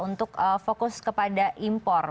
untuk fokus kepada impor